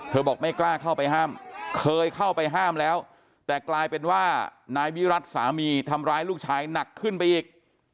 บอกไม่กล้าเข้าไปห้ามเคยเข้าไปห้ามแล้วแต่กลายเป็นว่านายวิรัติสามีทำร้ายลูกชายหนักขึ้นไปอีก